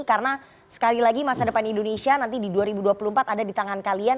karena sekali lagi masa depan indonesia nanti di dua ribu dua puluh empat ada di tangan kalian